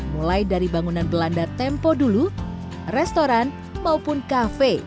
mulai dari bangunan belanda tempo dulu restoran maupun kafe